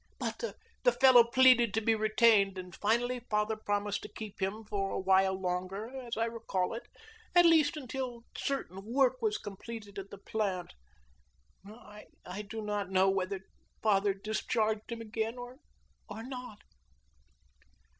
But the fellow pleaded to be retained, and finally father promised to keep him for a while longer, as I recall it, at least until certain work was completed at the plant. This work was completed yesterday. That's all I know. I do not know whether father discharged him again or not."